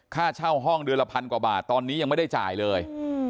ค่าเช่าห้องเดือนละพันกว่าบาทตอนนี้ยังไม่ได้จ่ายเลย